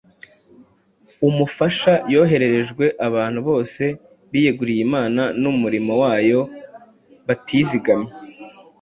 umufasha yohererejwe abantu bose biyeguriye Imana n’umurimo wayo batizigamye.